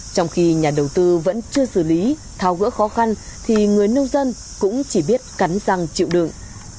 trong khi nhà đầu tư vẫn chưa xử lý thao gỡ khó khăn thì người nông dân cũng chỉ biết cắn răng chịu đựng